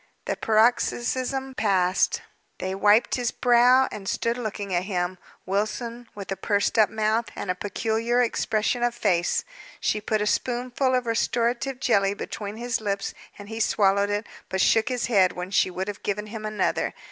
The paroxysm passed. They wiped his brow, and stood looking at him; Wilson with a pursed up mouth, and a peculiar expression of face. She put a spoonful of restorative jelly between his lips, and he swallowed it, but shook his head when she would have given him another.